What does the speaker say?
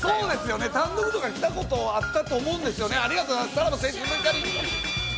単独とかきたことあったと思うんですよね、さらば青春の光。